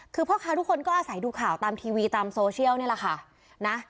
คือพ่อค้าทุกคนก็อาศัยดูข่าวตามทีวีตามโซเชียลนี่แหละค่ะนะ